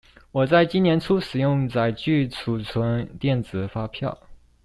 我在今年初使用載具儲存電子發票